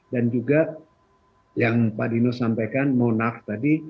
dan juga yang pak dino sampaikan monark tadi